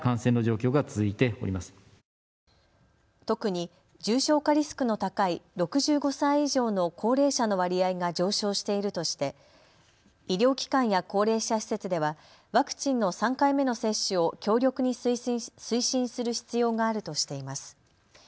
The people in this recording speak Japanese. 特に、重症化リスクの高い６５歳以上の高齢者の割合が上昇しているとして医療機関や高齢者施設ではワクチンの３回目の接種を強力に推進する必要があるとしています。